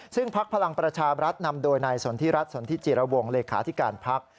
ซึ่งพักพลังประชาบรัฐนำโดยนายสนทิรัฐสนทิจิรวงเลขาธิการพัก